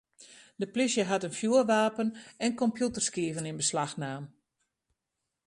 De plysje hat in fjoerwapen en kompjûterskiven yn beslach naam.